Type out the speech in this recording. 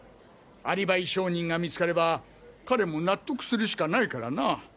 アリバイ証人が見つかれば彼も納得するしかないからな。